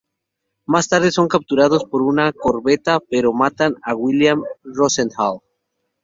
Más tarde son capturados por una corbeta, pero matan a William Rosenthal.